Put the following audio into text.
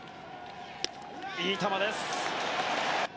いい球です。